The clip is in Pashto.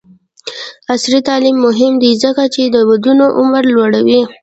عصري تعلیم مهم دی ځکه چې د ودونو عمر لوړوي.